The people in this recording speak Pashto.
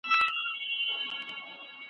کتاب زوړ ملګری دی.